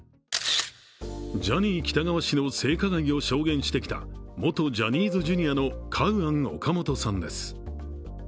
ジャニー喜多川氏の性加害を証言してきた元ジャニーズＪｒ．のカウアン・オカモトさんです